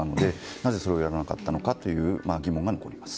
なぜ、それをやらなかったという疑問が残ります。